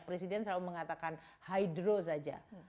presiden selalu mengatakan hydro saja